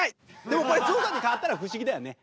でもこれ象さんに変わったら不思議だよね。